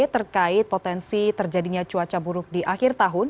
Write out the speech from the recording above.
terkait potensi terjadinya cuaca buruk di akhir tahun